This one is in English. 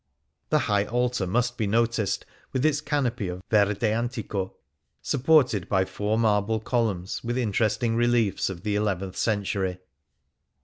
65 E Things Seen in Venice The High Altar must be noticed, with its canopy of verde antico, supported by four marble columns with interesting reliefs of the eleventh century.